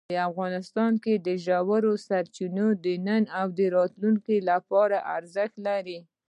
افغانستان کې ژورې سرچینې د نن او راتلونکي لپاره ارزښت لري.